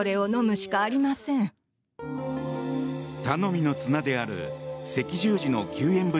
頼みの綱である赤十字の救援